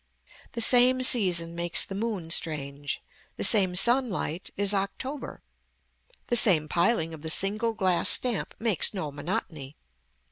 The same season makes the moon strange, the same sun light is October, the same piling of the single glass stamp makes no monotony.